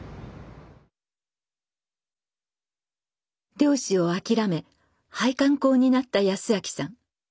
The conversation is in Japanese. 漁師を諦め配管工になった康明さん。